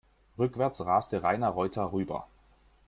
Rückwärts raste Rainer Reuter rüber.